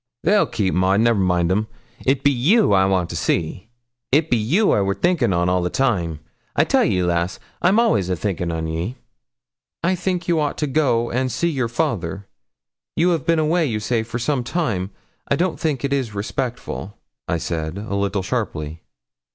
'They'll keep, Maud, never mind 'em; it be you I want to see it be you I wor thinkin' on a' the time. I tell ye, lass, I'm all'ays a thinkin' on ye.' 'I think you ought to go and see your father; you have been away, you say, some time. I don't think it is respectful,' I said, a little sharply.